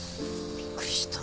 びっくりした。